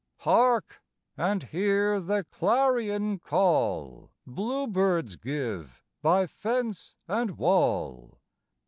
Hark! and hear the clarion call Bluebirds give by fence and wall!